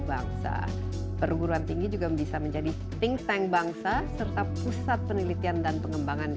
bangsa perguruan tinggi juga bisa menjadi pingsan bangsa serta pusat penelitian dan pengembangan